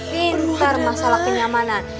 pintar masalah kenyamanan